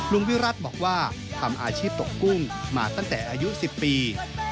วิรัติบอกว่าทำอาชีพตกกุ้งมาตั้งแต่อายุ๑๐ปี